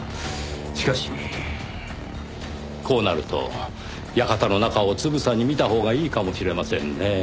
しかしこうなると館の中をつぶさに見たほうがいいかもしれませんねぇ。